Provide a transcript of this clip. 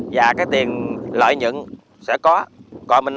và cái tiền lợi nhuận sẽ có